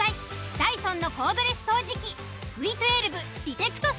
「ダイソン」のコードレス掃除機。